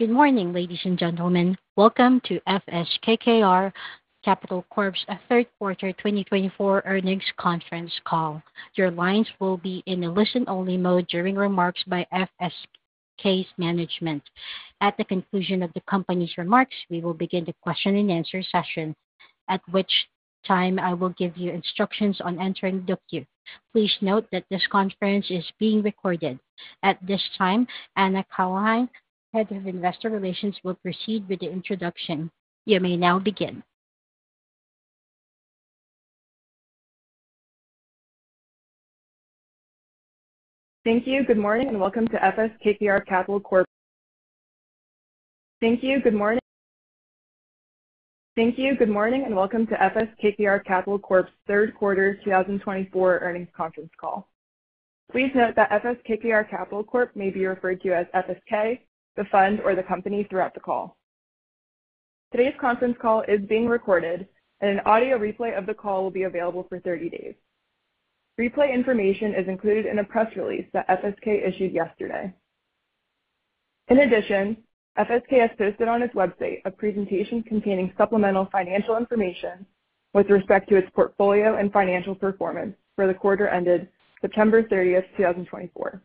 Good morning, ladies and gentlemen. Welcome to FS KKR Capital Corp's third quarter 2024 earnings conference call. Your lines will be in a listen-only mode during remarks by FSK's management. At the conclusion of the company's remarks, we will begin the question-and-answer session, at which time I will give you instructions on entering the queue. Please note that this conference is being recorded. At this time, Anna Kleinhenn, Head of Investor Relations, will proceed with the introduction. You may now begin. Thank you. Good morning and welcome to FS KKR Capital Corp's third quarter 2024 earnings conference call. Please note that FS KKR Capital Corp may be referred to as FSK, the fund, or the company throughout the call. Today's conference call is being recorded, and an audio replay of the call will be available for 30 days. Replay information is included in a press release that FSK issued yesterday. In addition, FSK has posted on its website a presentation containing supplemental financial information with respect to its portfolio and financial performance for the quarter ended September 30th, 2024.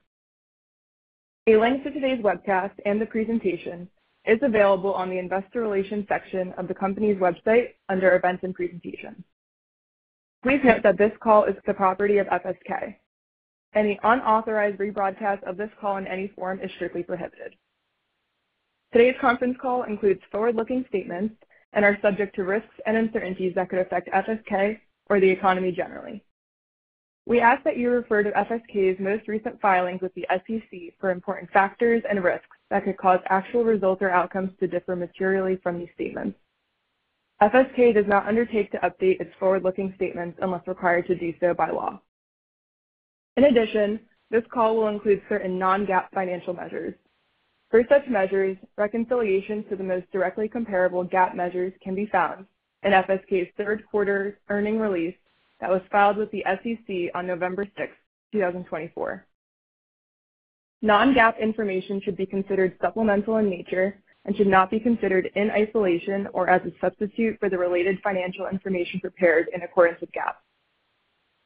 A link to today's webcast and the presentation is available on the Investor Relations section of the company's website under Events and Presentations. Please note that this call is the property of FSK, and the unauthorized rebroadcast of this call in any form is strictly prohibited. Today's conference call includes forward-looking statements and are subject to risks and uncertainties that could affect FSK or the economy generally. We ask that you refer to FSK's most recent filings with the SEC for important factors and risks that could cause actual results or outcomes to differ materially from these statements. FSK does not undertake to update its forward-looking statements unless required to do so by law. In addition, this call will include certain non-GAAP financial measures. For such measures, reconciliations to the most directly comparable GAAP measures can be found in FSK's third quarter earnings release that was filed with the SEC on November 6th, 2024. Non-GAAP information should be considered supplemental in nature and should not be considered in isolation or as a substitute for the related financial information prepared in accordance with GAAP.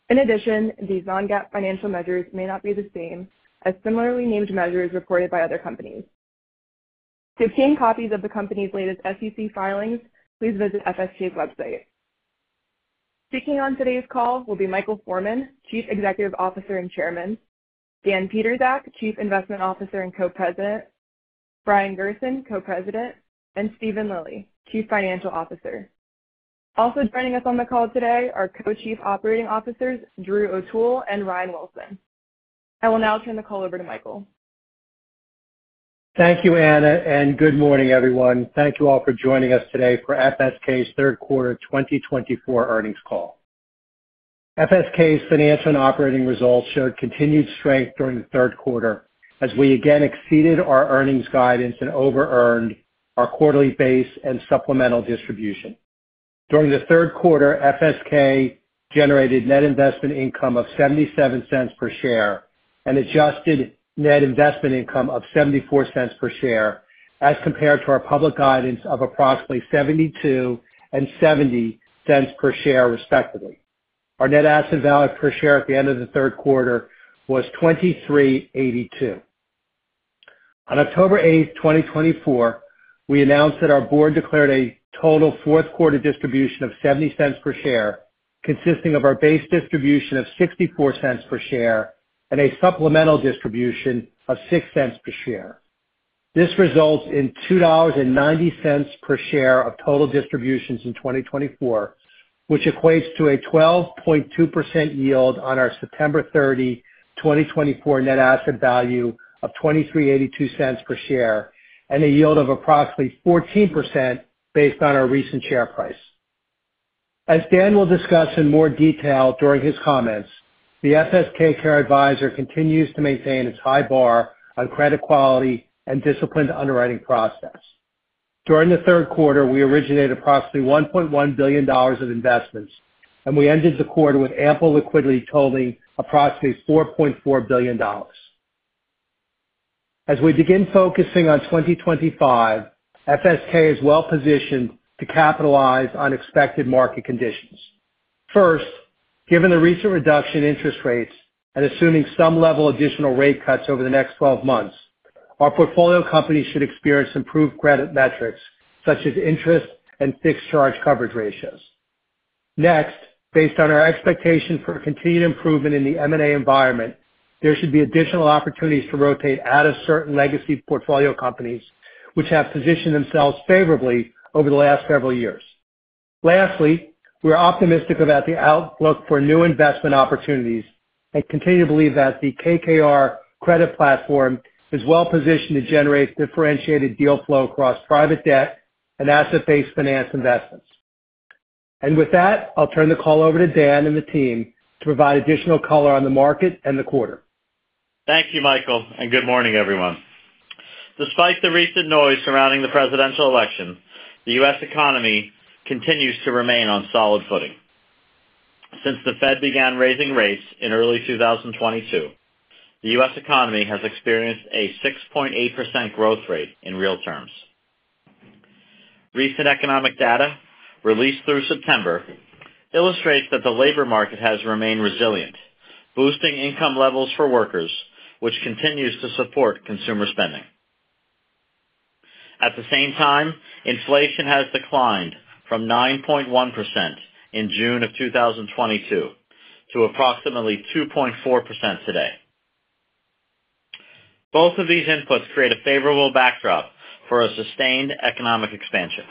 In addition, these non-GAAP financial measures may not be the same as similarly named measures reported by other companies. To obtain copies of the company's latest SEC filings, please visit FSK's website. Speaking on today's call will be Michael Forman, Chief Executive Officer and Chairman, Dan Pietrzak, Chief Investment Officer and Co-President, Brian Gerson, Co-President, and Steven Lilly, Chief Financial Officer. Also joining us on the call today are Co-Chief Operating Officers, Drew O'Toole and Ryan Wilson. I will now turn the call over to Michael. Thank you, Ana, and good morning, everyone. Thank you all for joining us today for FSK's third quarter 2024 earnings call. FSK's financial and operating results showed continued strength during the third quarter as we again exceeded our earnings guidance and over-earned our quarterly base and supplemental distribution. During the third quarter, FSK generated net investment income of $0.77 per share and adjusted net investment income of $0.74 per share as compared to our public guidance of approximately $0.72 and $0.70 per share, respectively. Our net asset value per share at the end of the third quarter was $2,382. On October 8th, 2024, we announced that our board declared a total fourth quarter distribution of $0.70 per share, consisting of our base distribution of $0.64 per share and a supplemental distribution of $0.06 per share. This results in $2.90 per share of total distributions in 2024, which equates to a 12.2% yield on our September 30, 2024, net asset value of $0.2382 per share and a yield of approximately 14% based on our recent share price. As Dan will discuss in more detail during his comments, the FS/KKR Advisor continues to maintain its high bar on credit quality and disciplined underwriting process. During the third quarter, we originated approximately $1.1 billion of investments, and we ended the quarter with ample liquidity totaling approximately $4.4 billion. As we begin focusing on 2025, FS KKR is well positioned to capitalize on expected market conditions. First, given the recent reduction in interest rates and assuming some level of additional rate cuts over the next 12 months, our portfolio companies should experience improved credit metrics such as interest and fixed charge coverage ratios. Next, based on our expectation for continued improvement in the M&A environment, there should be additional opportunities to rotate out of certain legacy portfolio companies, which have positioned themselves favorably over the last several years. Lastly, we are optimistic about the outlook for new investment opportunities and continue to believe that the KKR Credit platform is well positioned to generate differentiated deal flow across private debt and asset-based finance investments, and with that, I'll turn the call over to Dan and the team to provide additional color on the market and the quarter. Thank you, Michael, and good morning, everyone. Despite the recent noise surrounding the presidential election, the U.S. economy continues to remain on solid footing. Since the Fed began raising rates in early 2022, the U.S. economy has experienced a 6.8% growth rate in real terms. Recent economic data released through September illustrates that the labor market has remained resilient, boosting income levels for workers, which continues to support consumer spending. At the same time, inflation has declined from 9.1% in June of 2022 to approximately 2.4% today. Both of these inputs create a favorable backdrop for a sustained economic expansion.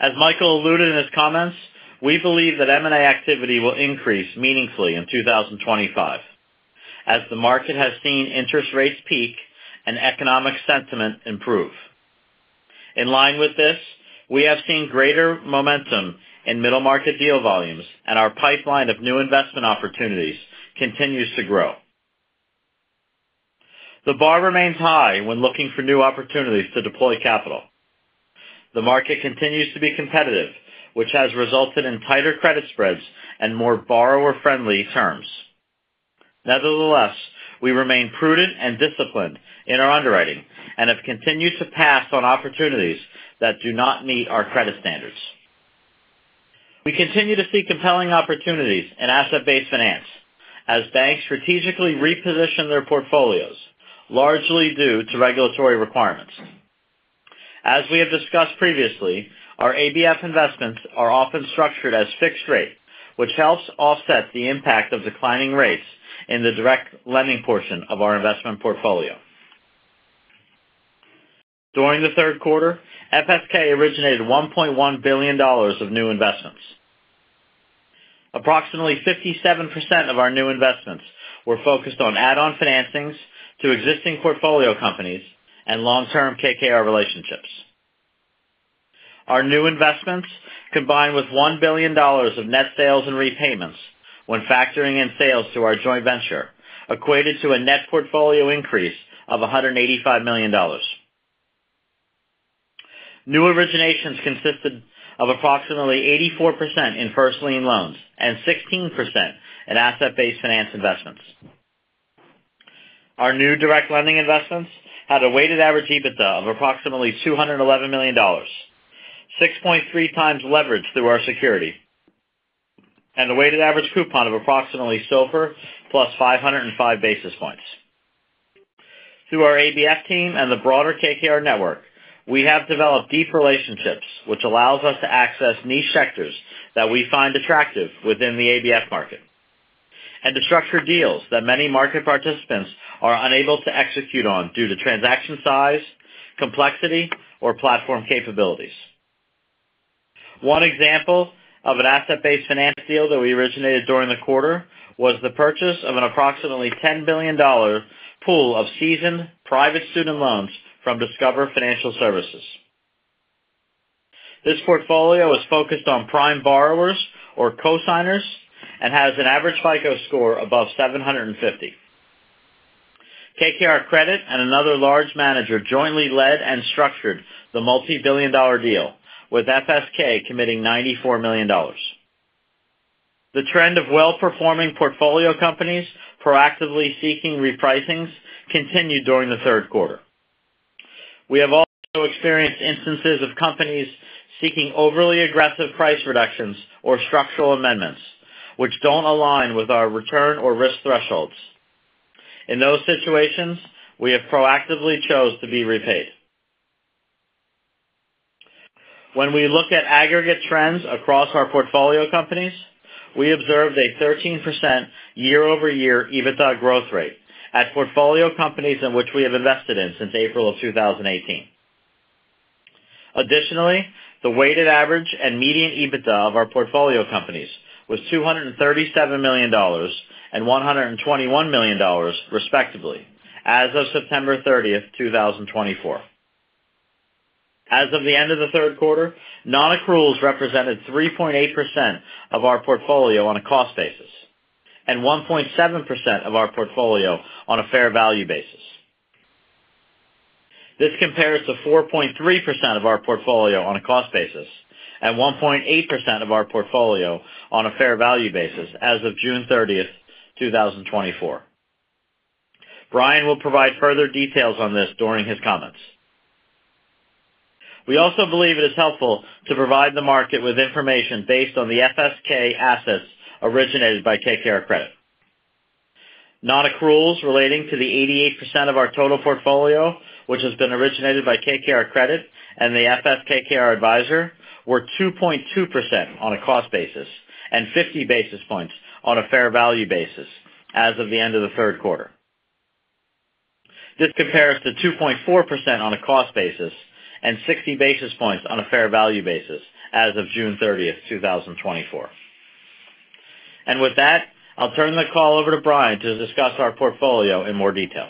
As Michael alluded in his comments, we believe that M&A activity will increase meaningfully in 2025 as the market has seen interest rates peak and economic sentiment improve. In line with this, we have seen greater momentum in middle market deal volumes, and our pipeline of new investment opportunities continues to grow. The bar remains high when looking for new opportunities to deploy capital. The market continues to be competitive, which has resulted in tighter credit spreads and more borrower-friendly terms. Nevertheless, we remain prudent and disciplined in our underwriting and have continued to pass on opportunities that do not meet our credit standards. We continue to see compelling opportunities in asset-based finance as banks strategically reposition their portfolios, largely due to regulatory requirements. As we have discussed previously, our ABF investments are often structured as fixed rate, which helps offset the impact of declining rates in the direct lending portion of our investment portfolio. During the third quarter, FSK originated $1.1 billion of new investments. Approximately 57% of our new investments were focused on add-on financings to existing portfolio companies and long-term KKR relationships. Our new investments, combined with $1 billion of net sales and repayments when factoring in sales to our joint venture, equated to a net portfolio increase of $185 million. New originations consisted of approximately 84% in first lien loans and 16% in asset-based finance investments. Our new direct lending investments had a weighted average EBITDA of approximately $211 million, 6.3x leverage through our security, and a weighted average coupon of approximately SOFR plus 505 basis points. Through our ABF team and the broader KKR network, we have developed deep relationships, which allows us to access niche sectors that we find attractive within the ABF market and to structure deals that many market participants are unable to execute on due to transaction size, complexity, or platform capabilities. One example of an asset-based finance deal that we originated during the quarter was the purchase of an approximately $10 billion pool of seasoned private student loans from Discover Financial Services. This portfolio is focused on prime borrowers or co-signers and has an average FICO score above 750. KKR Credit and another large manager jointly led and structured the multi-billion dollar deal, with FSK committing $94 million. The trend of well-performing portfolio companies proactively seeking repricings continued during the third quarter. We have also experienced instances of companies seeking overly aggressive price reductions or structural amendments, which don't align with our return or risk thresholds. In those situations, we have proactively chosen to be repaid. When we look at aggregate trends across our portfolio companies, we observed a 13% year-over-year EBITDA growth rate at portfolio companies in which we have invested in since April of 2018. Additionally, the weighted average and median EBITDA of our portfolio companies was $237 million and $121 million, respectively, as of September 30th, 2024. As of the end of the third quarter, non-accruals represented 3.8% of our portfolio on a cost basis and 1.7% of our portfolio on a fair value basis. This compares to 4.3% of our portfolio on a cost basis and 1.8% of our portfolio on a fair value basis as of June 30th, 2024. Brian will provide further details on this during his comments. We also believe it is helpful to provide the market with information based on the FSK assets originated by KKR Credit. Non-accruals relating to the 88% of our total portfolio, which has been originated by KKR Credit and the FS/KKR Advisor, were 2.2% on a cost basis and 50 basis points on a fair value basis as of the end of the third quarter. This compares to 2.4% on a cost basis and 60 basis points on a fair value basis as of June 30th, 2024. And with that, I'll turn the call over to Brian to discuss our portfolio in more detail.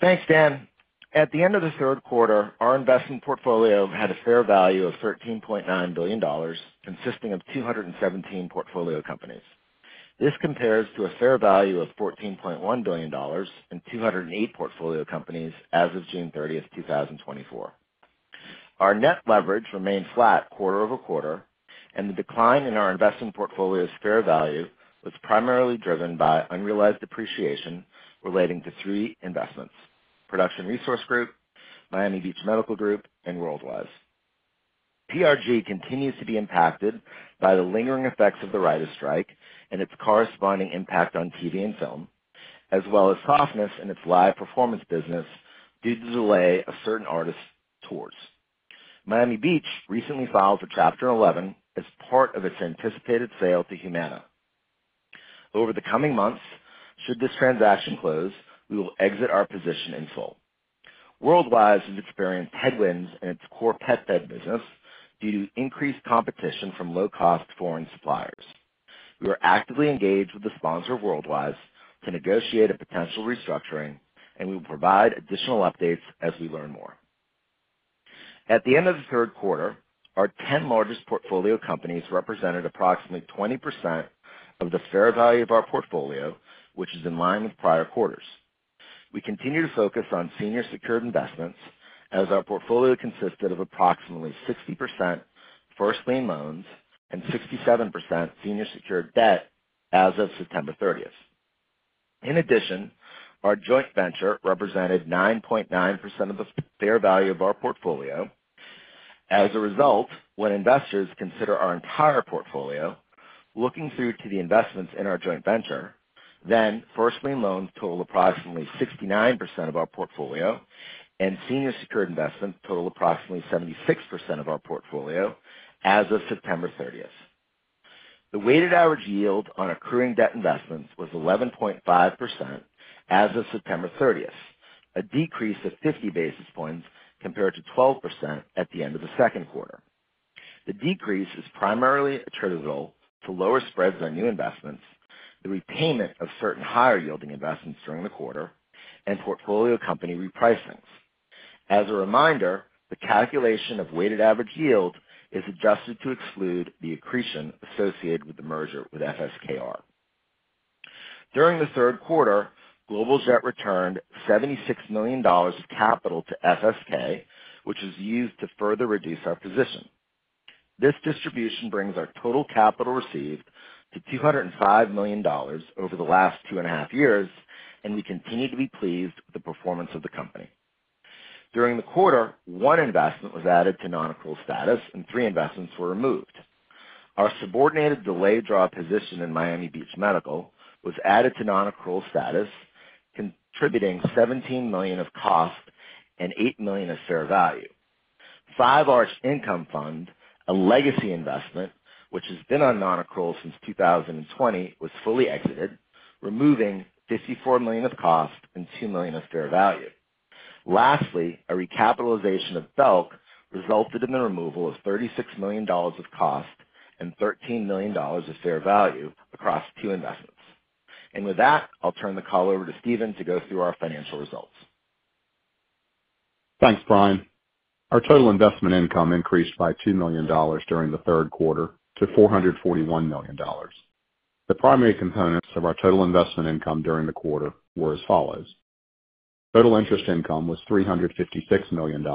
Thanks, Dan. At the end of the third quarter, our investment portfolio had a fair value of $13.9 billion, consisting of 217 portfolio companies. This compares to a fair value of $14.1 billion and 208 portfolio companies as of June 30th, 2024. Our net leverage remained flat quarter-over-quarter, and the decline in our investment portfolio's fair value was primarily driven by unrealized depreciation relating to three investments: Production Resource Group, Miami Beach Medical Group, and Worldwise. PRG continues to be impacted by the lingering effects of the Writers' Strike and its corresponding impact on TV and film, as well as softness in its live performance business due to the delay of certain artists' tours. Miami Beach recently filed for Chapter 11 as part of its anticipated sale to Humana. Over the coming months, should this transaction close, we will exit our position in it. Worldwise has experienced headwinds in its core pet bed business due to increased competition from low-cost foreign suppliers. We are actively engaged with the sponsor, Worldwise, to negotiate a potential restructuring, and we will provide additional updates as we learn more. At the end of the third quarter, our 10 largest portfolio companies represented approximately 20% of the fair value of our portfolio, which is in line with prior quarters. We continue to focus on senior secured investments as our portfolio consisted of approximately 60% first lien loans and 67% senior secured debt as of September 30th. In addition, our joint venture represented 9.9% of the fair value of our portfolio. As a result, when investors consider our entire portfolio, looking through to the investments in our joint venture, then first lien loans total approximately 69% of our portfolio and senior secured investments total approximately 76% of our portfolio as of September 30th. The weighted average yield on accruing debt investments was 11.5% as of September 30th, a decrease of 50 basis points compared to 12% at the end of the second quarter. The decrease is primarily attributable to lower spreads on new investments, the repayment of certain higher-yielding investments during the quarter, and portfolio company repricings. As a reminder, the calculation of weighted average yield is adjusted to exclude the accretion associated with the merger with FS KKR. During the third quarter, Global Jet returned $76 million of capital to FSK, which was used to further reduce our position. This distribution brings our total capital received to $205 million over the last two and a half years, and we continue to be pleased with the performance of the company. During the quarter, one investment was added to non-accrual status, and three investments were removed. Our subordinated delay draw position in Miami Beach Medical Group was added to non-accrual status, contributing $17 million of cost and $8 million of fair value. Five Arch Income Fund, a legacy investment which has been on non-accrual since 2020, was fully exited, removing $54 million of cost and $2 million of fair value. Lastly, a recapitalization of Belk resulted in the removal of $36 million of cost and $13 million of fair value across two investments. And with that, I'll turn the call over to Steven to go through our financial results. Thanks, Brian. Our total investment income increased by $2 million during the third quarter to $441 million. The primary components of our total investment income during the quarter were as follows. Total interest income was $356 million,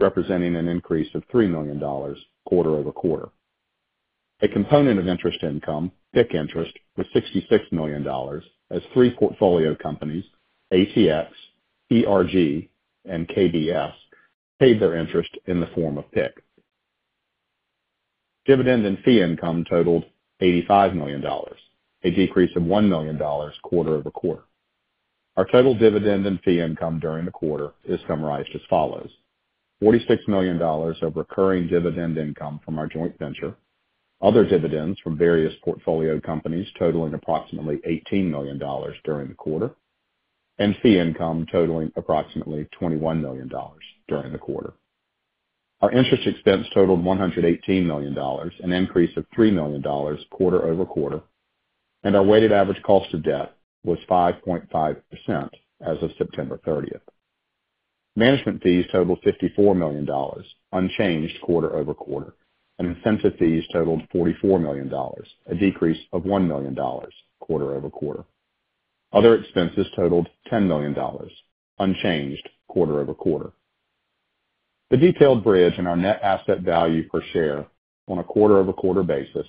representing an increase of $3 million quarter-over-quarter. A component of interest income, PIK interest, was $66 million, as three portfolio companies, ATX, PRG, and KBS, paid their interest in the form of PIK. Dividend and fee income totaled $85 million, a decrease of $1 million quarter-over-quarter. Our total dividend and fee income during the quarter is summarized as follows: $46 million of recurring dividend income from our joint venture, other dividends from various portfolio companies totaling approximately $18 million during the quarter, and fee income totaling approximately $21 million during the quarter. Our interest expense totaled $118 million, an increase of $3 million quarter-over-quarter, and our weighted average cost of debt was 5.5% as of September 30th. Management fees totaled $54 million, unchanged quarter-over-quarter, and incentive fees totaled $44 million, a decrease of $1 million quarter-over-quarter. Other expenses totaled $10 million, unchanged quarter-over-quarter. The detailed bridge in our net asset value per share on a quarter-over-quarter basis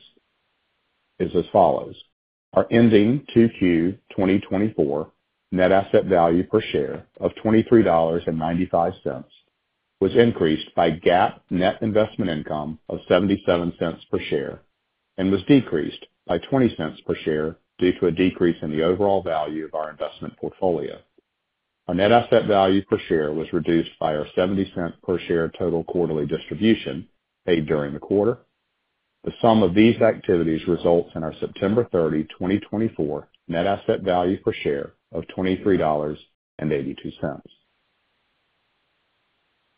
is as follows. Our ending Q3 2024 net asset value per share of $23.95 was increased by GAAP net investment income of $0.77 per share and was decreased by $0.20 per share due to a decrease in the overall value of our investment portfolio. Our net asset value per share was reduced by our $0.70 per share total quarterly distribution paid during the quarter. The sum of these activities results in our September 30, 2024, net asset value per share of $23.82.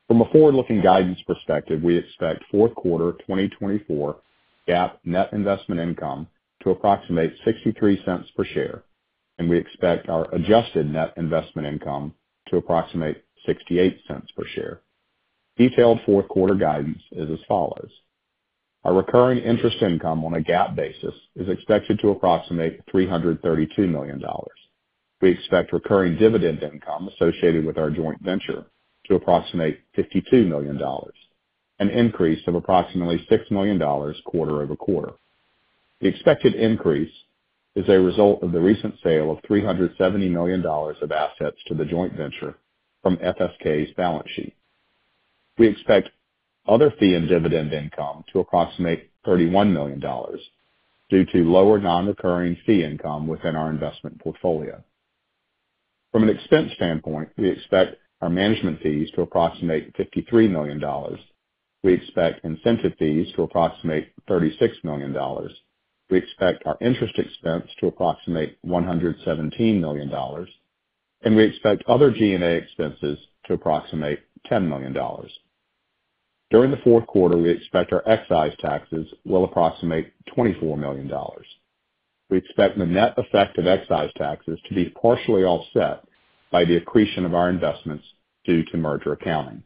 From a forward-looking guidance perspective, we expect fourth quarter 2024 GAAP net investment income to approximate $0.63 per share, and we expect our adjusted net investment income to approximate $0.68 per share. Detailed fourth quarter guidance is as follows. Our recurring interest income on a GAAP basis is expected to approximate $332 million. We expect recurring dividend income associated with our joint venture to approximate $52 million, an increase of approximately $6 million quarter-over-quarter. The expected increase is a result of the recent sale of $370 million of assets to the joint venture from FSK's balance sheet. We expect other fee and dividend income to approximate $31 million due to lower non-recurring fee income within our investment portfolio. From an expense standpoint, we expect our management fees to approximate $53 million. We expect incentive fees to approximate $36 million. We expect our interest expense to approximate $117 million, and we expect other G&A expenses to approximate $10 million. During the fourth quarter, we expect our excise taxes will approximate $24 million. We expect the net effect of excise taxes to be partially offset by the accretion of our investments due to merger accounting.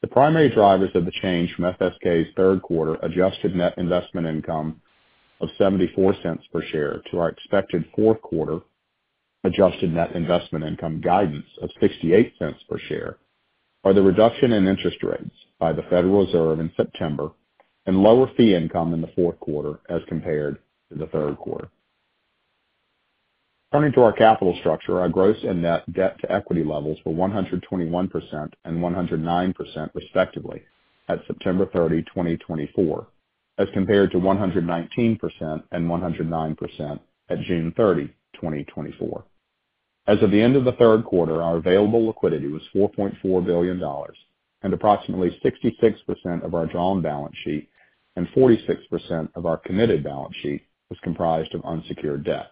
The primary drivers of the change from FSK's third quarter adjusted net investment income of $0.74 per share to our expected fourth quarter adjusted net investment income guidance of $0.68 per share are the reduction in interest rates by the Federal Reserve in September and lower fee income in the fourth quarter as compared to the third quarter. Turning to our capital structure, our gross and net debt to equity levels were 121% and 109%, respectively, at September 30, 2024, as compared to 119% and 109% at June 30, 2024. As of the end of the third quarter, our available liquidity was $4.4 billion, and approximately 66% of our junior balance sheet and 46% of our committed balance sheet was comprised of unsecured debt.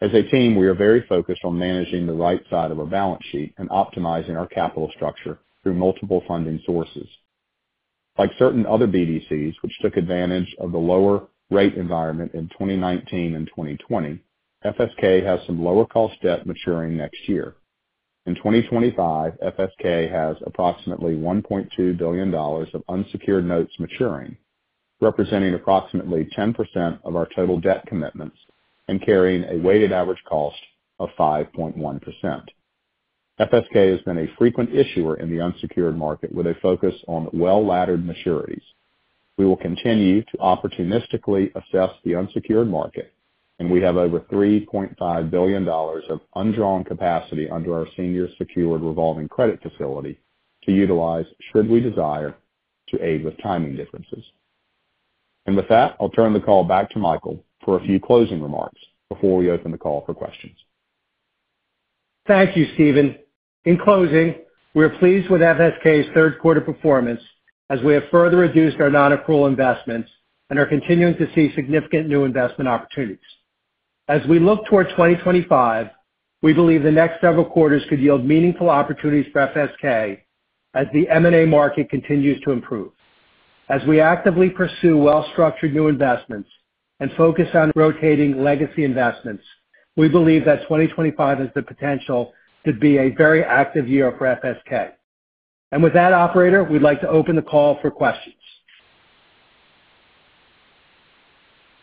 As a team, we are very focused on managing the right side of our balance sheet and optimizing our capital structure through multiple funding sources. Like certain other BDCs, which took advantage of the lower rate environment in 2019 and 2020, FSK has some lower cost debt maturing next year. In 2025, FSK has approximately $1.2 billion of unsecured notes maturing, representing approximately 10% of our total debt commitments and carrying a weighted average cost of 5.1%. FSK has been a frequent issuer in the unsecured market with a focus on well-laddered maturities. We will continue to opportunistically assess the unsecured market, and we have over $3.5 billion of undrawn capacity under our senior secured revolving credit facility to utilize should we desire to aid with timing differences, and with that, I'll turn the call back to Michael for a few closing remarks before we open the call for questions. Thank you, Steven. In closing, we are pleased with FSK's third quarter performance as we have further reduced our non-accrual investments and are continuing to see significant new investment opportunities. As we look toward 2025, we believe the next several quarters could yield meaningful opportunities for FSK as the M&A market continues to improve. As we actively pursue well-structured new investments and focus on rotating legacy investments, we believe that 2025 has the potential to be a very active year for FSK. And with that, operator, we'd like to open the call for questions.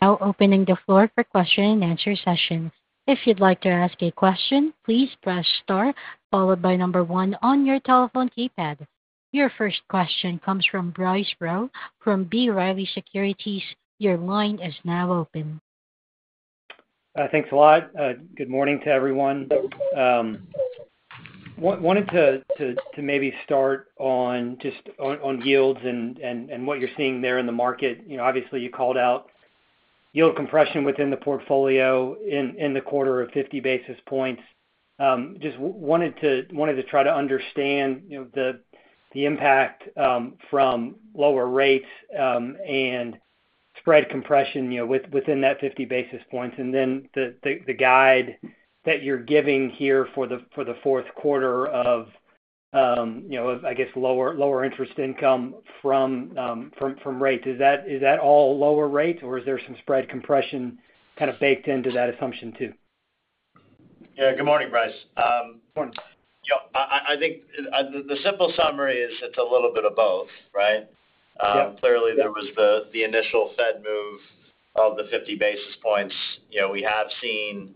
Now opening the floor for question-and-answer sessions. If you'd like to ask a question, please press star followed by number one on your telephone keypad. Your first question comes from Bryce Rowe from B. Riley Securities. Your line is now open. Thanks a lot. Good morning to everyone. Wanted to maybe start on just on yields and what you're seeing there in the market. Obviously, you called out yield compression within the portfolio in the quarter of 50 basis points. Just wanted to try to understand the impact from lower rates and spread compression within that 50 basis points. And then the guide that you're giving here for the fourth quarter of, I guess, lower interest income from rates, is that all lower rates, or is there some spread compression kind of baked into that assumption too? Yeah. Good morning, Bryce. I think the simple summary is it's a little bit of both, right? Clearly, there was the initial Fed move of the 50 basis points. We have seen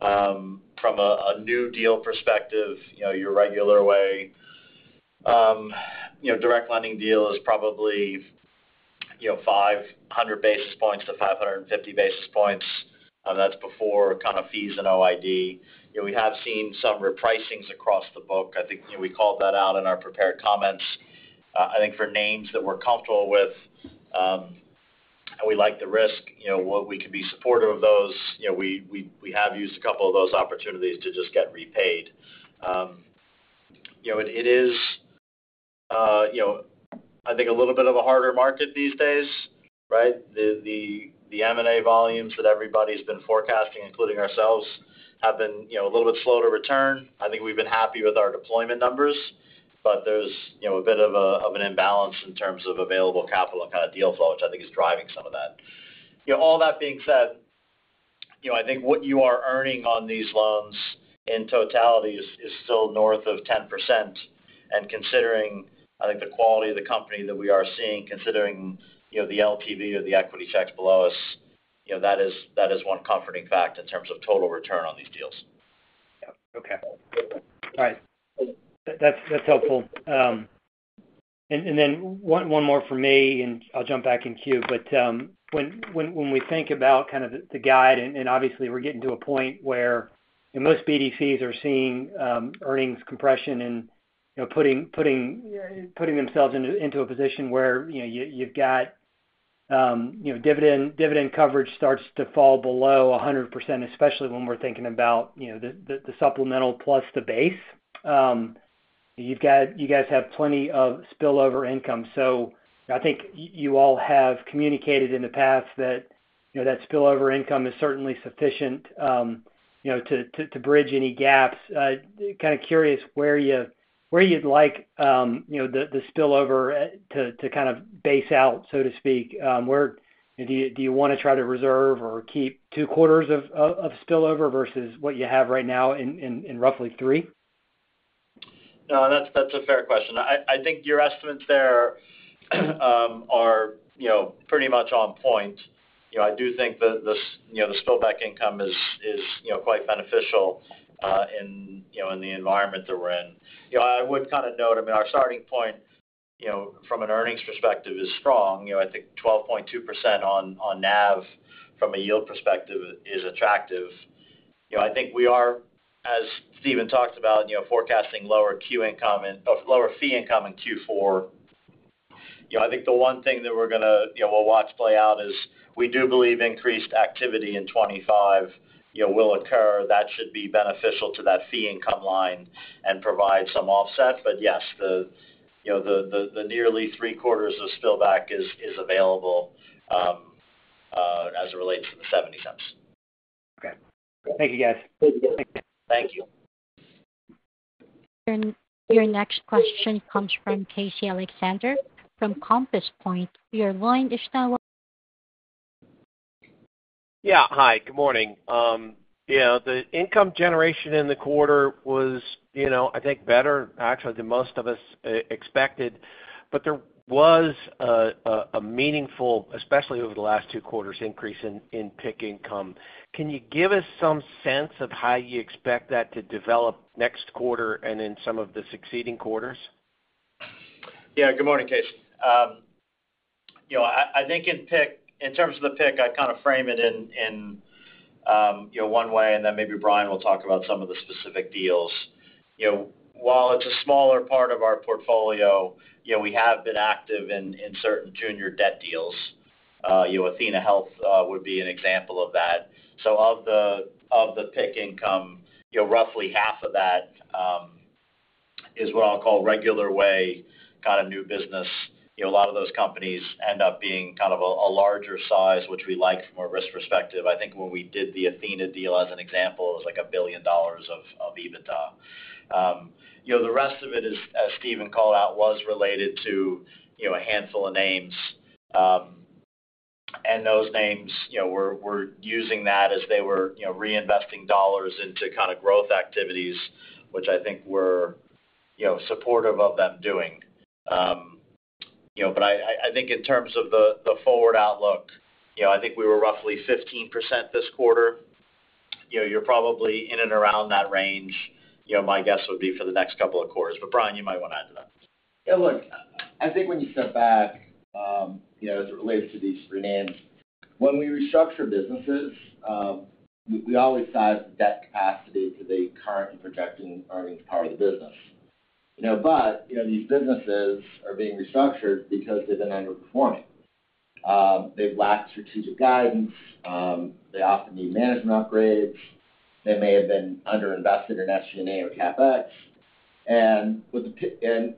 from a new deal perspective, your regular way, direct lending deal is probably 500 basis points to 550 basis points. That's before kind of fees and OID. We have seen some repricings across the book. I think we called that out in our prepared comments. I think for names that we're comfortable with and we like the risk, we could be supportive of those. We have used a couple of those opportunities to just get repaid. It is, I think, a little bit of a harder market these days, right? The M&A volumes that everybody's been forecasting, including ourselves, have been a little bit slow to return. I think we've been happy with our deployment numbers, but there's a bit of an imbalance in terms of available capital and kind of deal flow, which I think is driving some of that. All that being said, I think what you are earning on these loans in totality is still north of 10%. And considering, I think, the quality of the company that we are seeing, considering the LTV or the equity checks below us, that is one comforting fact in terms of total return on these deals. Yeah. Okay. All right. That's helpful, and then one more for me, and I'll jump back in queue, but when we think about kind of the guide, and obviously, we're getting to a point where most BDCs are seeing earnings compression and putting themselves into a position where you've got dividend coverage starts to fall below 100%, especially when we're thinking about the supplemental plus the base. You guys have plenty of spillover income, so I think you all have communicated in the past that that spillover income is certainly sufficient to bridge any gaps. Kind of curious where you'd like the spillover to kind of base out, so to speak. Do you want to try to reserve or keep two quarters of spillover versus what you have right now in roughly three? No, that's a fair question. I think your estimates there are pretty much on point. I do think the spillover income is quite beneficial in the environment that we're in. I would kind of note, I mean, our starting point from an earnings perspective is strong. I think 12.2% on NAV from a yield perspective is attractive. I think we are, as Steven talked about, forecasting lower Q income or lower fee income in Q4. I think the one thing that we're going to watch play out is we do believe increased activity in 2025 will occur. That should be beneficial to that fee income line and provide some offset. But yes, the nearly three quarters of spillover is available as it relates to the $0.70. Okay. Thank you, guys. Thank you. Your next question comes from Casey Alexander from Compass Point. Your line is now. Yeah. Hi. Good morning. The income generation in the quarter was, I think, better, actually, than most of us expected. But there was a meaningful, especially over the last two quarters, increase in PIK income. Can you give us some sense of how you expect that to develop next quarter and in some of the succeeding quarters? Yeah. Good morning, Casey. I think in terms of the PIK, I kind of frame it in one way, and then maybe Brian will talk about some of the specific deals. While it's a smaller part of our portfolio, we have been active in certain junior debt deals. athenahealth would be an example of that. So of the PIK income, roughly half of that is what I'll call regular way kind of new business. A lot of those companies end up being kind of a larger size, which we like from a risk perspective. I think when we did the athenahealth deal as an example, it was like $1 billion of EBITDA. The rest of it, as Steven called out, was related to a handful of names. Those names, we're using that as they were reinvesting dollars into kind of growth activities, which I think we're supportive of them doing. I think in terms of the forward outlook, I think we were roughly 15% this quarter. You're probably in and around that range. My guess would be for the next couple of quarters. Brian, you might want to add to that. Yeah. Look, I think when you step back as it relates to these three names, when we restructure businesses, we always tie debt capacity to the current and projected earnings part of the business. But these businesses are being restructured because they've been underperforming. They've lacked strategic guidance. They often need management upgrades. They may have been underinvested in SG&A or CapEx. And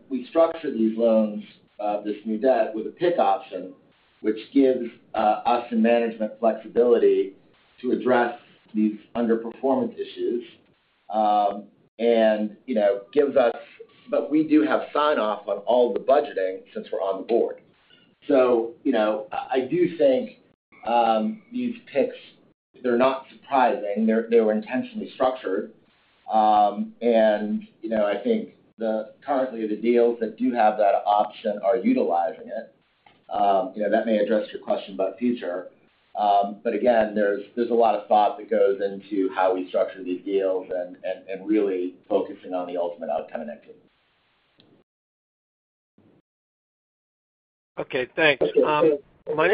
we structure these loans, this new debt, with a PIK option, which gives us and management flexibility to address these underperformance issues and gives us. But we do have sign-off on all the budgeting since we're on the board. So I do think these PIKs, they're not surprising. They were intentionally structured. And I think currently the deals that do have that option are utilizing it. That may address your question about future. But again, there's a lot of thought that goes into how we structure these deals and really focusing on the ultimate outcome and activity. Okay. Thanks. My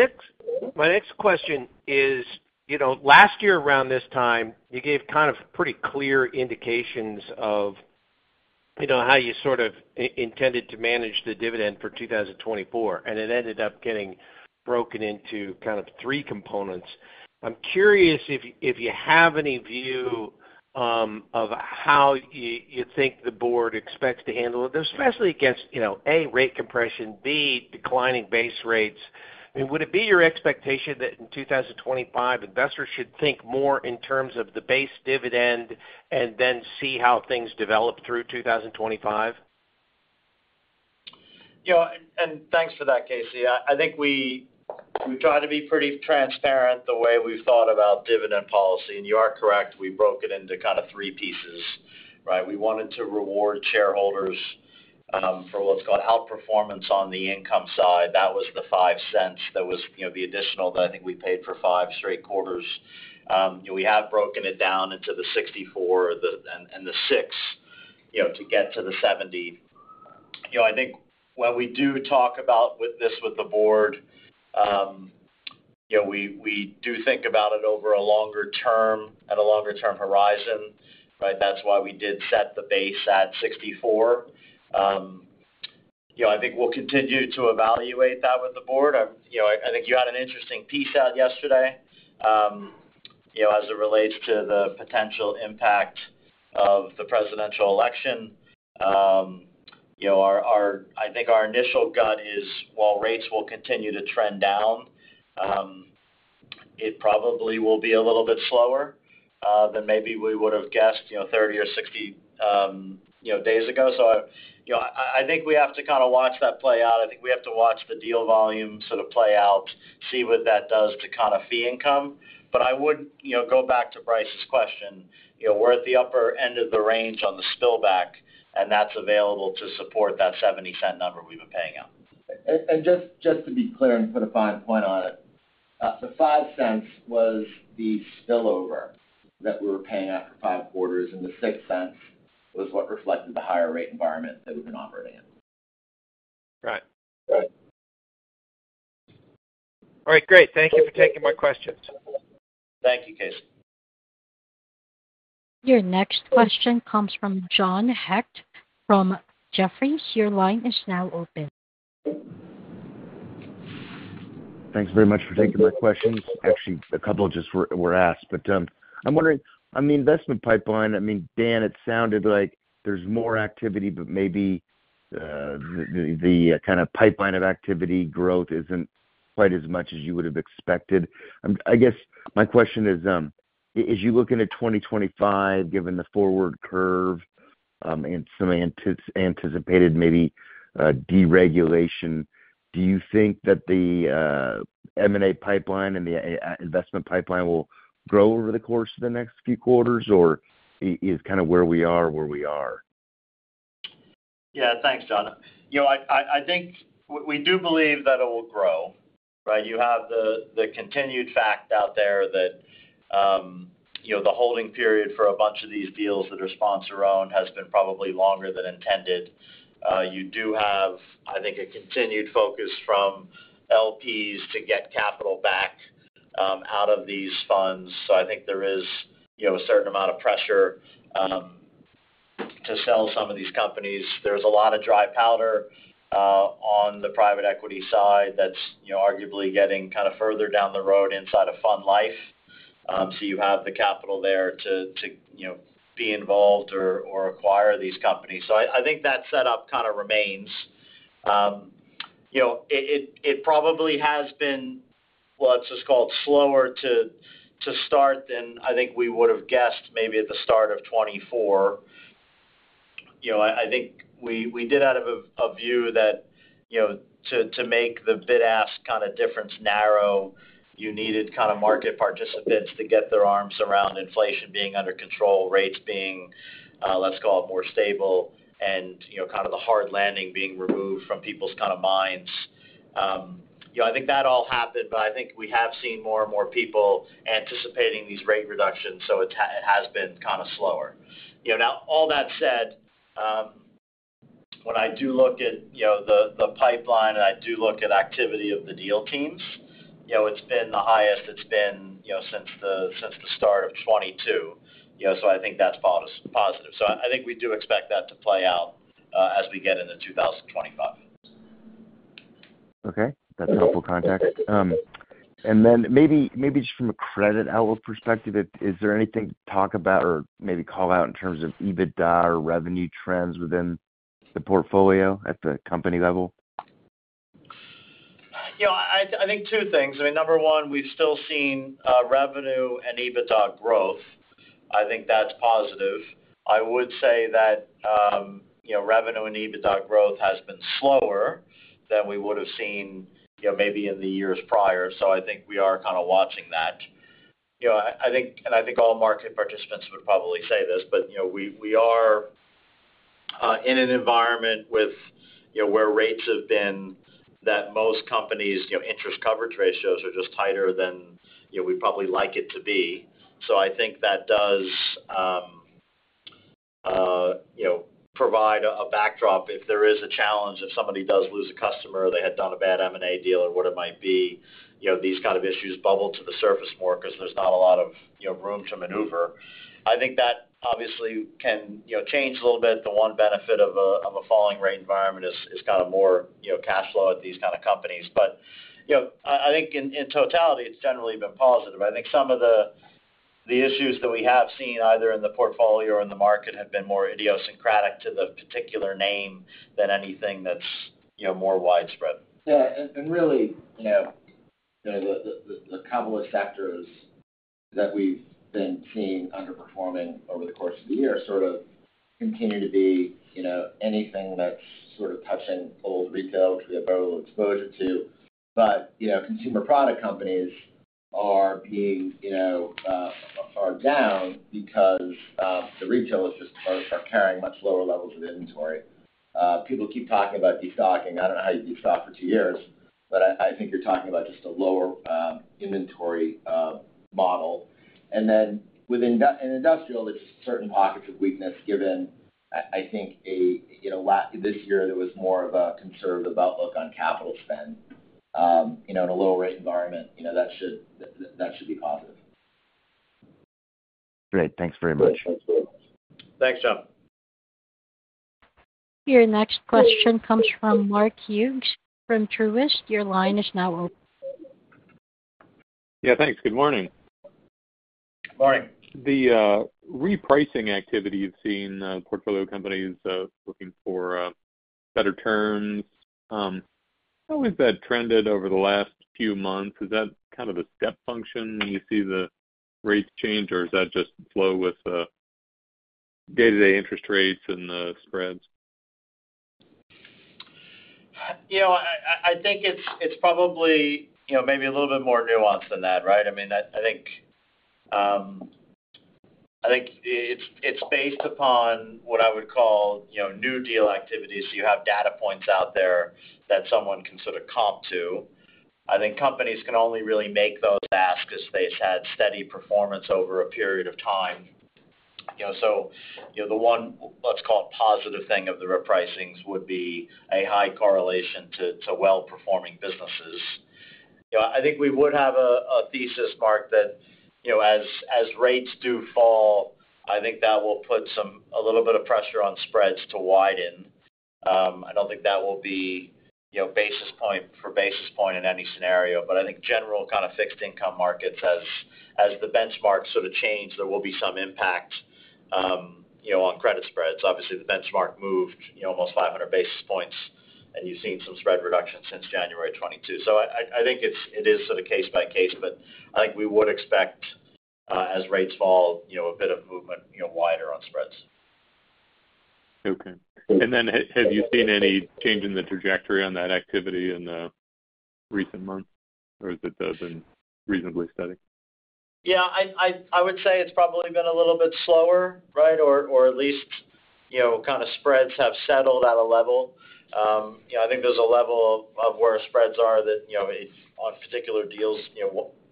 next question is, last year around this time, you gave kind of pretty clear indications of how you sort of intended to manage the dividend for 2024, and it ended up getting broken into kind of three components. I'm curious if you have any view of how you think the board expects to handle it, especially against, A, rate compression, B, declining base rates. I mean, would it be your expectation that in 2025, investors should think more in terms of the base dividend and then see how things develop through 2025? Yeah, and thanks for that, Casey. I think we try to be pretty transparent the way we've thought about dividend policy. And you are correct. We broke it into kind of three pieces, right? We wanted to reward shareholders for what's called outperformance on the income side. That was the $0.05. That was the additional that I think we paid for five straight quarters. We have broken it down into the $0.64 and the $0.06 to get to the $0.70. I think when we do talk about this with the board, we do think about it over a longer term, at a longer-term horizon, right? That's why we did set the base at $0.64. I think we'll continue to evaluate that with the board. I think you had an interesting piece out yesterday as it relates to the potential impact of the presidential election. I think our initial gut is while rates will continue to trend down, it probably will be a little bit slower than maybe we would have guessed 30 or 60 days ago, so I think we have to kind of watch that play out. I think we have to watch the deal volume sort of play out, see what that does to kind of fee income, but I would go back to Bryce's question. We're at the upper end of the range on the spillover, and that's available to support that $0.70 number we've been paying out. Just to be clear and put a fine point on it, the $0.05 was the spillover that we were paying after five quarters, and the $0.06 was what reflected the higher rate environment that we've been operating in. Right. All right. All right. Great. Thank you for taking my questions. Thank you, Casey. Your next question comes from John Hecht from Jefferies. Your line is now open. Thanks very much for taking my questions. Actually, a couple just were asked. But I'm wondering, on the investment pipeline, I mean, Dan, it sounded like there's more activity, but maybe the kind of pipeline of activity growth isn't quite as much as you would have expected. I guess my question is, as you look into 2025, given the forward curve and some anticipated maybe deregulation, do you think that the M&A pipeline and the investment pipeline will grow over the course of the next few quarters, or is kind of where we are where we are? Yeah. Thanks, John. I think we do believe that it will grow, right? You have the continued fact out there that the holding period for a bunch of these deals that are sponsor-owned has been probably longer than intended. You do have, I think, a continued focus from LPs to get capital back out of these funds. So I think there is a certain amount of pressure to sell some of these companies. There's a lot of dry powder on the private equity side that's arguably getting kind of further down the road inside of fund life. So you have the capital there to be involved or acquire these companies. So I think that setup kind of remains. It probably has been, well, it's just called slower to start than I think we would have guessed maybe at the start of 2024. I think we did have a view that to make the bid-ask kind of difference narrow, you needed kind of market participants to get their arms around inflation being under control, rates being, let's call it, more stable, and kind of the hard landing being removed from people's kind of minds. I think that all happened, but I think we have seen more and more people anticipating these rate reductions, so it has been kind of slower. Now, all that said, when I do look at the pipeline and I do look at activity of the deal teams, it's been the highest. It's been since the start of 2022, so I think that's positive, so I think we do expect that to play out as we get into 2025. Okay. That's helpful context. And then maybe just from a credit outlook perspective, is there anything to talk about or maybe call out in terms of EBITDA or revenue trends within the portfolio at the company level? I think two things. I mean, number one, we've still seen revenue and EBITDA growth. I think that's positive. I would say that revenue and EBITDA growth has been slower than we would have seen maybe in the years prior. So I think we are kind of watching that. And I think all market participants would probably say this, but we are in an environment where rates have been such that most companies' interest coverage ratios are just tighter than we'd probably like it to be. So I think that does provide a backdrop if there is a challenge, if somebody does lose a customer, they had done a bad M&A deal or what it might be, these kind of issues bubble to the surface more because there's not a lot of room to maneuver. I think that obviously can change a little bit. The one benefit of a falling rate environment is kind of more cash flow at these kind of companies. But I think in totality, it's generally been positive. I think some of the issues that we have seen either in the portfolio or in the market have been more idiosyncratic to the particular name than anything that's more widespread. Yeah. And really, the couple of sectors that we've been seeing underperforming over the course of the year sort of continue to be anything that's sort of touching old retail, which we have very little exposure to. But consumer product companies are down because the retailers just are carrying much lower levels of inventory. People keep talking about de-stocking. I don't know how you de-stock for two years, but I think you're talking about just a lower inventory model. And then within industrial, there's certain pockets of weakness given, I think, this year there was more of a conservative outlook on capital spend in a lower rate environment. That should be positive. Great. Thanks very much. Thanks, John. Your next question comes from Mark Hughes from Truist. Your line is now open. Yeah. Thanks. Good morning. Good morning. The repricing activity you've seen portfolio companies looking for better terms. How has that trended over the last few months? Is that kind of a step function when you see the rates change, or is that just slow with day-to-day interest rates and spreads? I think it's probably maybe a little bit more nuanced than that, right? I mean, I think it's based upon what I would call new deal activity. So you have data points out there that someone can sort of comp to. I think companies can only really make those ask if they've had steady performance over a period of time. So the one, let's call it, positive thing of the repricings would be a high correlation to well-performing businesses. I think we would have a thesis, Mark, that as rates do fall, I think that will put a little bit of pressure on spreads to widen. I don't think that will be basis point for basis point in any scenario. But I think general kind of fixed income markets, as the benchmarks sort of change, there will be some impact on credit spreads. Obviously, the benchmark moved almost 500 basis points, and you've seen some spread reduction since January 2022. So I think it is sort of case by case, but I think we would expect, as rates fall, a bit of movement wider on spreads. Okay. And then have you seen any change in the trajectory on that activity in the recent months, or has it been reasonably steady? Yeah. I would say it's probably been a little bit slower, right, or at least kind of spreads have settled at a level. I think there's a level of where spreads are that on particular deals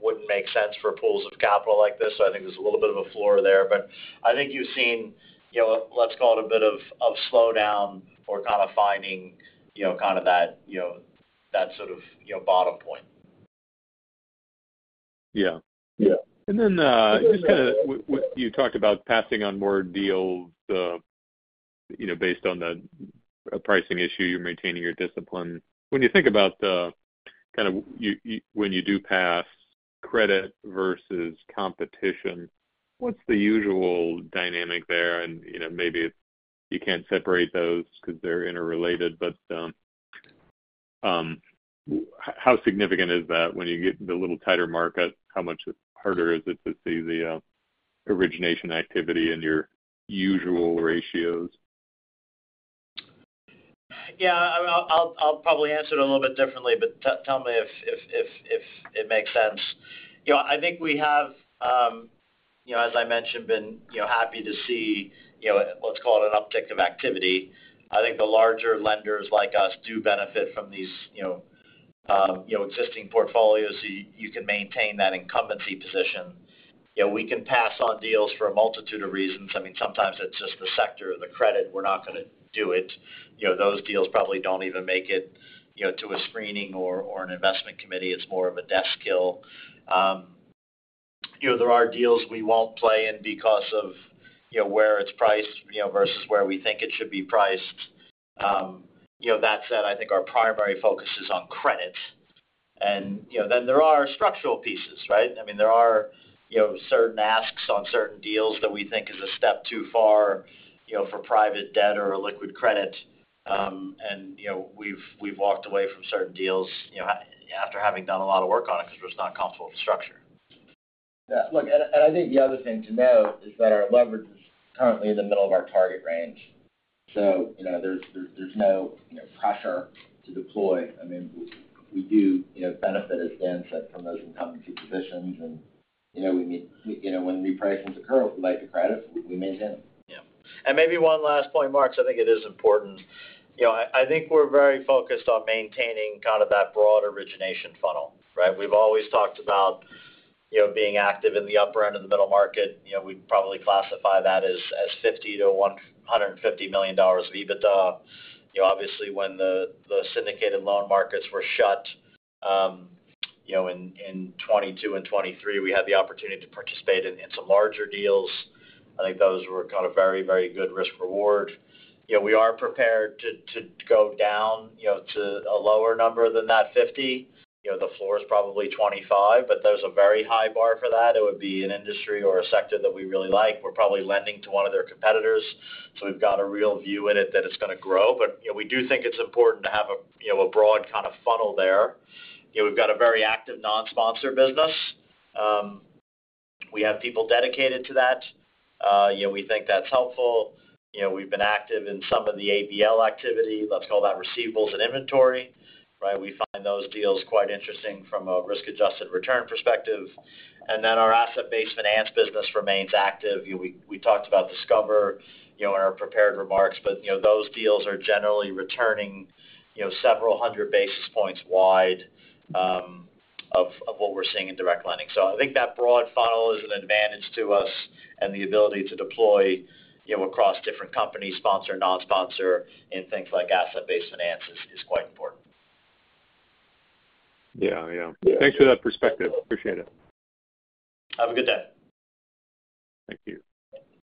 wouldn't make sense for pools of capital like this. So I think there's a little bit of a floor there. But I think you've seen, let's call it, a bit of slowdown or kind of finding kind of that sort of bottom point. Yeah. And then just kind of you talked about passing on more deals based on the pricing issue. You're maintaining your discipline. When you think about kind of when you do pass credit versus competition, what's the usual dynamic there? And maybe you can't separate those because they're interrelated, but how significant is that? When you get into a little tighter market, how much harder is it to see the origination activity in your usual ratios? Yeah. I'll probably answer it a little bit differently, but tell me if it makes sense. I think we have, as I mentioned, been happy to see, let's call it, an uptick of activity. I think the larger lenders like us do benefit from these existing portfolios so you can maintain that incumbency position. We can pass on deals for a multitude of reasons. I mean, sometimes it's just the sector, the credit. We're not going to do it. Those deals probably don't even make it to a screening or an investment committee. It's more of a desk kill. There are deals we won't play in because of where it's priced versus where we think it should be priced. That said, I think our primary focus is on credit. And then there are structural pieces, right? I mean, there are certain asks on certain deals that we think is a step too far for private debt or a liquid credit, and we've walked away from certain deals after having done a lot of work on it because we're just not comfortable with the structure. Yeah. Look, and I think the other thing to note is that our leverage is currently in the middle of our target range. So there's no pressure to deploy. I mean, we do benefit, as Dan said, from those incumbency positions. And we meet when repricings occur with the right to credit, we maintain them. Yeah. And maybe one last point, Mark, because I think it is important. I think we're very focused on maintaining kind of that broad origination funnel, right? We've always talked about being active in the upper end of the middle market. We'd probably classify that as $50 million-$150 million of EBITDA. Obviously, when the syndicated loan markets were shut in 2022 and 2023, we had the opportunity to participate in some larger deals. I think those were kind of very, very good risk-reward. We are prepared to go down to a lower number than that $50 million. The floor is probably $25 million, but there's a very high bar for that. It would be an industry or a sector that we really like. We're probably lending to one of their competitors. So we've got a real view in it that it's going to grow. But we do think it's important to have a broad kind of funnel there. We've got a very active non-sponsor business. We have people dedicated to that. We think that's helpful. We've been active in some of the ABL activity, let's call that receivables and inventory, right? We find those deals quite interesting from a risk-adjusted return perspective. And then our asset-based finance business remains active. We talked about Discover in our prepared remarks, but those deals are generally returning several hundred basis points wide of what we're seeing in direct lending. So I think that broad funnel is an advantage to us, and the ability to deploy across different companies, sponsor, non-sponsor, and things like asset-based finance is quite important. Yeah. Yeah. Thanks for that perspective. Appreciate it. Have a good day. Thank you.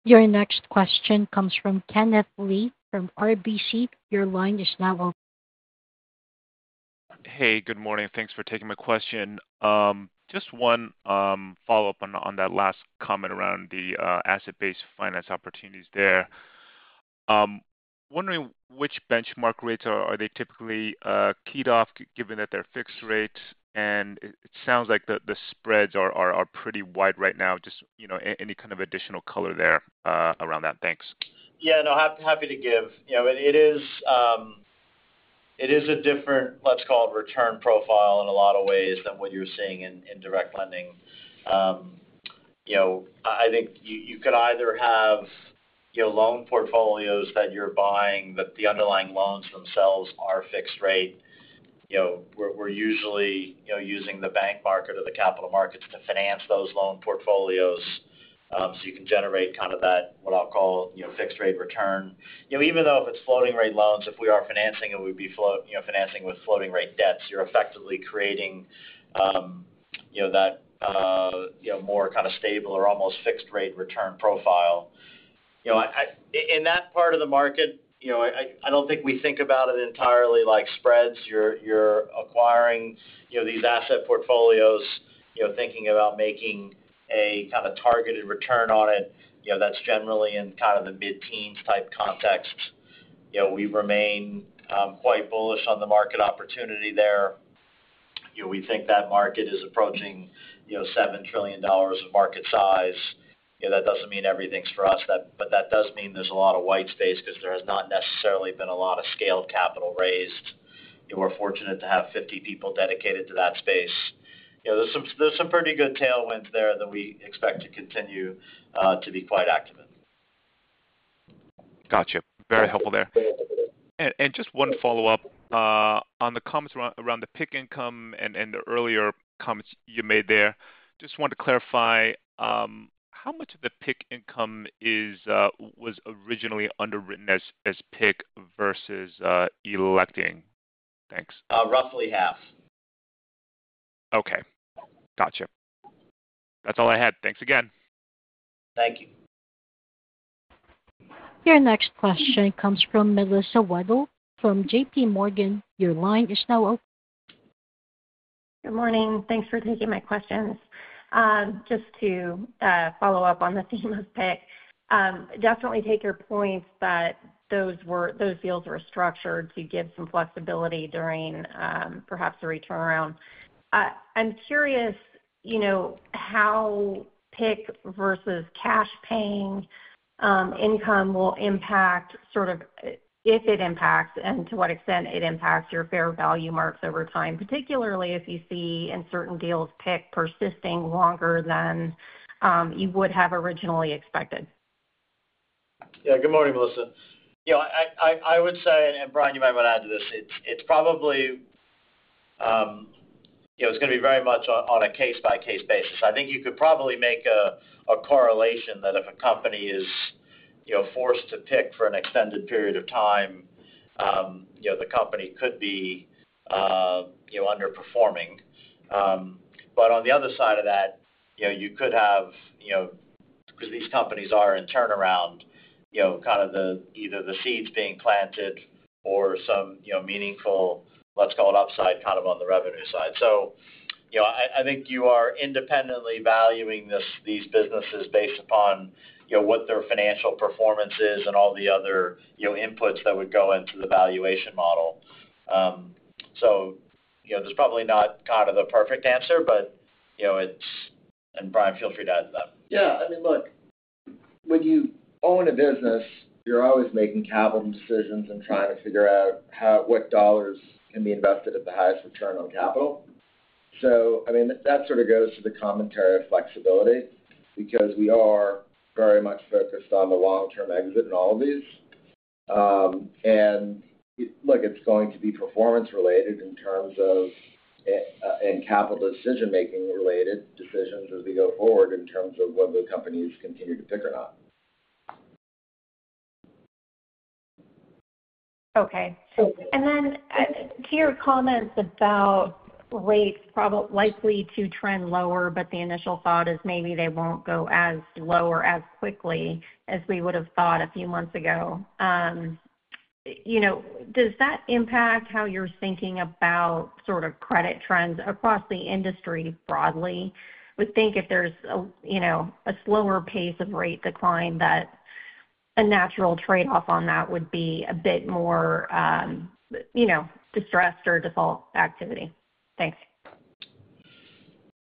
Your next question comes from Kenneth Lee from RBC. Your line is now open. Hey, good morning. Thanks for taking my question. Just one follow-up on that last comment around the asset-based finance opportunities there. Wondering which benchmark rates are they typically keyed off, given that they're fixed rates, and it sounds like the spreads are pretty wide right now. Just any kind of additional color there around that? Thanks. Yeah. No, happy to give. It is a different, let's call it, return profile in a lot of ways than what you're seeing in direct lending. I think you could either have loan portfolios that you're buying, but the underlying loans themselves are fixed-rate. We're usually using the bank market or the capital markets to finance those loan portfolios so you can generate kind of that what I'll call fixed-rate return. Even though if it's floating-rate loans, if we are financing it, we'd be financing with floating-rate debts, you're effectively creating that more kind of stable or almost fixed-rate return profile. In that part of the market, I don't think we think about it entirely like spreads. You're acquiring these asset portfolios, thinking about making a kind of targeted return on it. That's generally in kind of the mid-teens type context. We remain quite bullish on the market opportunity there. We think that market is approaching $7 trillion of market size. That doesn't mean everything's for us, but that does mean there's a lot of white space because there has not necessarily been a lot of scaled capital raised. We're fortunate to have 50 people dedicated to that space. There's some pretty good tailwinds there that we expect to continue to be quite active. Gotcha. Very helpful there. And just one follow-up on the comments around the PIK income and the earlier comments you made there. Just wanted to clarify, how much of the PIK income was originally underwritten as PIK versus electing? Thanks. Roughly half. Okay. Gotcha. That's all I had. Thanks again. Thank you. Your next question comes from Melissa Wedel from JPMorgan. Your line is now open. Good morning. Thanks for taking my questions. Just to follow up on the theme of PIK, definitely take your points that those deals were structured to give some flexibility during perhaps a turnaround. I'm curious how PIK versus cash-paying income will impact sort of if it impacts and to what extent it impacts your fair value marks over time, particularly if you see in certain deals PIK persisting longer than you would have originally expected. Yeah. Good morning, Melissa. I would say, and Brian, you might want to add to this, it's probably going to be very much on a case-by-case basis. I think you could probably make a correlation that if a company is forced to PIK for an extended period of time, the company could be underperforming. But on the other side of that, you could have because these companies are in turnaround, kind of either the seeds being planted or some meaningful, let's call it, upside kind of on the revenue side. So I think you are independently valuing these businesses based upon what their financial performance is and all the other inputs that would go into the valuation model. So there's probably not kind of the perfect answer, but it's, and Brian, feel free to add to that. Yeah. I mean, look, when you own a business, you're always making capital decisions and trying to figure out what dollars can be invested at the highest return on capital. So I mean, that sort of goes to the commentary of flexibility because we are very much focused on the long-term exit in all of these. And look, it's going to be performance-related in terms of and capital decision-making-related decisions as we go forward in terms of whether the companies continue to PIK or not. Okay. And then to your comments about rates likely to trend lower, but the initial thought is maybe they won't go as low or as quickly as we would have thought a few months ago. Does that impact how you're thinking about sort of credit trends across the industry broadly? We think if there's a slower pace of rate decline, that a natural trade-off on that would be a bit more distressed or default activity. Thanks.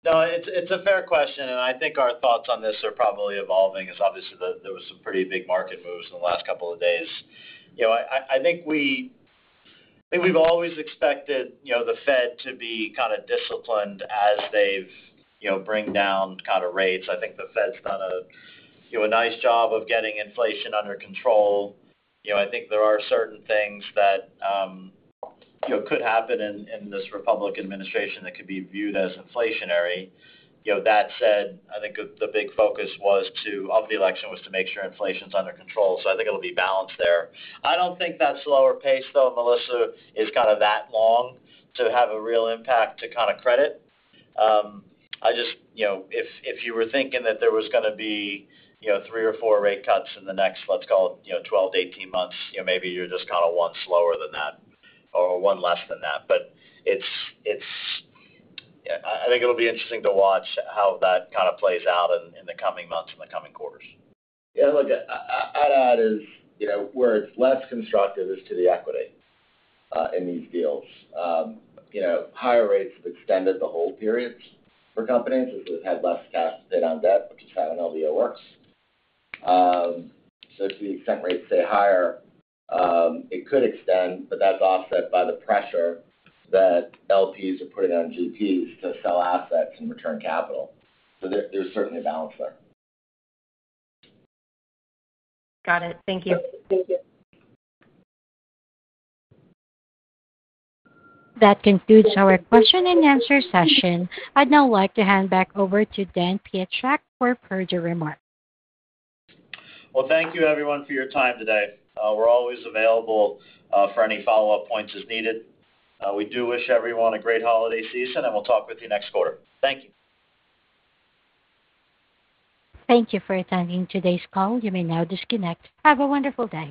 No, it's a fair question, and I think our thoughts on this are probably evolving as obviously there were some pretty big market moves in the last couple of days. I think we've always expected the Fed to be kind of disciplined as they bring down kind of rates. I think the Fed's done a nice job of getting inflation under control. I think there are certain things that could happen in this Republican administration that could be viewed as inflationary. That said, I think the big focus of the election was to make sure inflation's under control, so I think it'll be balanced there. I don't think that slower pace, though, Melissa, is kind of that long to have a real impact to kind of credit. I just, if you were thinking that there was going to be three or four rate cuts in the next, let's call it, 12-18 months, maybe you're just kind of one slower than that or one less than that. But I think it'll be interesting to watch how that kind of plays out in the coming months and the coming quarters. Yeah. Look, I'd add where it's less constructive is to the equity in these deals. Higher rates have extended the hold periods for companies as they've had less cash to pay down debt, which is how an LBO works. So to the extent rates stay higher, it could extend, but that's offset by the pressure that LPs are putting on GPs to sell assets and return capital. So there's certainly a balance there. Got it. Thank you. That concludes our question-and-answer session. I'd now like to hand back over to Dan Pietrzak for a closing remark. Thank you, everyone, for your time today. We're always available for any follow-up points as needed. We do wish everyone a great holiday season, and we'll talk with you next quarter. Thank you. Thank you for attending today's call. You may now disconnect. Have a wonderful day.